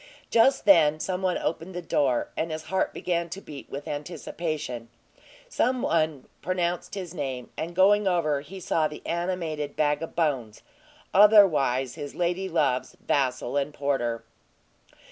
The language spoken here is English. Just then some one opened the door, and his heart began to beat with anticipation; some one pronounced his name, and, going over, he saw the animated bag of bones otherwise his lady love's vassal and porter.